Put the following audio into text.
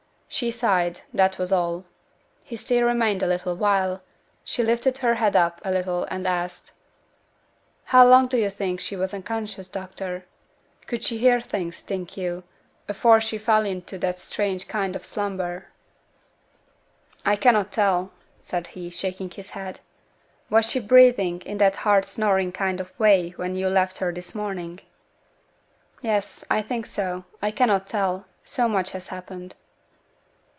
She sighed, that was all. He still remained a little while. She lifted her head up a little and asked, 'How long do yo' think she was unconscious, doctor? Could she hear things, think yo', afore she fell into that strange kind o' slumber?' 'I cannot tell,' said he, shaking his head. 'Was she breathing in that hard snoring kind of way when you left her this morning?' 'Yes, I think so; I cannot tell, so much has happened.'